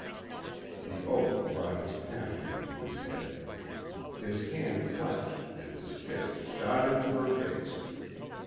The oath brought his passion into his head. His hand clenched and his fist shot into her face.